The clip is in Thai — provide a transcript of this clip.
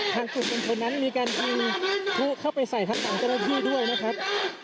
ทางขุมของตนทนนั้นมีการยื่อฟึกเข้าไปใส่ทางกังโตนะครับ